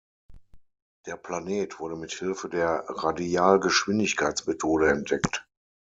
Der Planet wurde mit Hilfe der Radialgeschwindigkeitsmethode entdeckt.